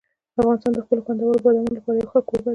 افغانستان د خپلو خوندورو بادامو لپاره یو ښه کوربه دی.